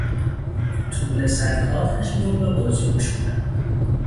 توله سگها پشمالو و بازیگوش بودند.